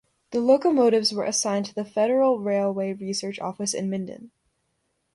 The locomotives were assigned to the Federal Railway Research Office in Minden.